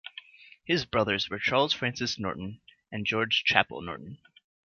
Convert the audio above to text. His brothers were Charles Francis Norton and George Chapple Norton.